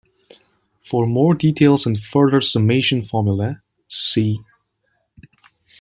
For more details and further summation formulae, see.